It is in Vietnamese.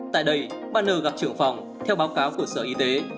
tại đây bn gặp trưởng phòng theo báo cáo của sở y tế